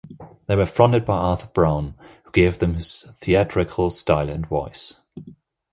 They were fronted by Arthur Brown, who gave them his theatrical style and voice.